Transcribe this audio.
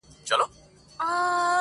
o چي ستا تر تورو غټو سترگو اوښكي وڅڅيږي.